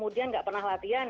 dia nggak pernah latihan